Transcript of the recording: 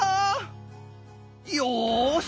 よし！